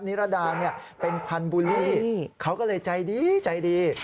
นิรดาเป็นพันธบูลลี่เขาก็เลยใจดีใจดี